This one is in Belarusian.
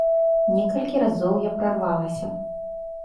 Некалькі разоў я прарвалася.